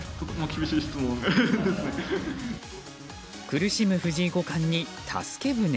苦しむ藤井五冠に助け舟？